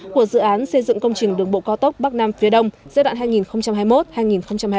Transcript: của dự án xây dựng công trình đường bộ cao tốc bắc nam phía đông giai đoạn hai nghìn hai mươi một hai nghìn hai mươi năm